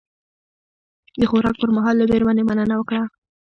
د خوراک پر مهال له میرمنې مننه وکړه.